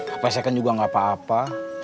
supaya second juga gak apa apa